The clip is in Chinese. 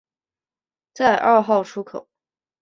在二号出口